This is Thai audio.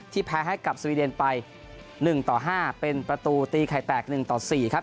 แพ้ให้กับสวีเดนไป๑ต่อ๕เป็นประตูตีไข่แตก๑ต่อ๔ครับ